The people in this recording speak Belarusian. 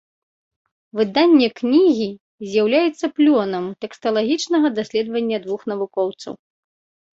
Выданне кнігі з'яўляецца плёнам тэксталагічнага даследавання двух навукоўцаў.